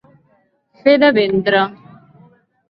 Fer de ventre.